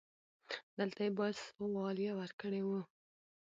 دلته يې بايد سواليه ورکړې و.